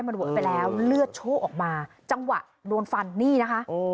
มันเวอะไปแล้วเลือดโชคออกมาจังหวะโดนฟันนี่นะคะ